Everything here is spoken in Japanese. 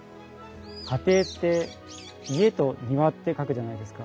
家庭って「家」と「庭」って書くじゃないですか。